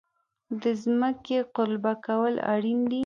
د ځمکې قلبه کول اړین دي.